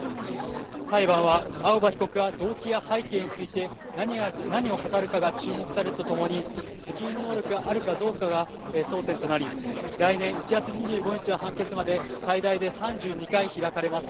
裁判は青葉被告が動機や背景について何を語るかが注目されるとともに、責任能力があるかどうかが争点となり、来年１月２５日の判決まで最大で３２回開かれます。